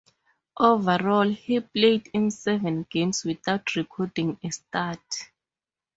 Overall, he played in seven games without recording a stat.